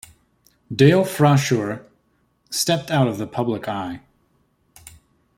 Dale Frashuer stepped out of the public eye.